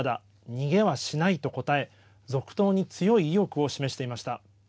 逃げはしないと答え続投に強い意欲を示していました。